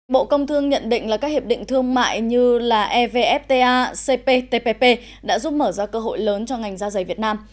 bộ công thương nhận định là các hiệp định thương mại như evfta cptpp đã giúp mở ra cơ hội lớn cho ngành da dày việt nam